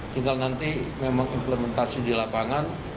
tinggal nanti memang implementasi di lapangan